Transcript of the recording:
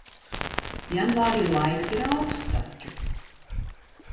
Janvārī laiks ir auksts taču.